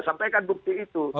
sampaikan bukti itu